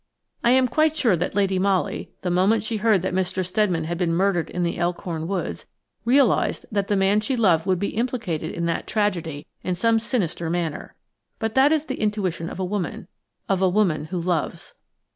I am quite sure that Lady Molly, the moment she heard that Mr. Steadman had been murdered in the Elkhorn Woods, realized that the man she loved would be implicated in that tragedy in some sinister manner. But that is the intuition of a woman–of a woman who loves.